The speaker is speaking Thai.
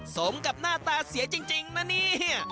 สมกับหน้าตาเสียจริงนะเนี่ย